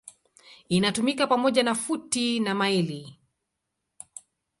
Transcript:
Inatumika pamoja na futi na maili.